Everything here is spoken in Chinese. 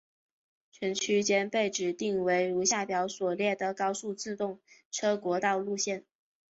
全区间被指定为如下表所列的高速自动车国道路线。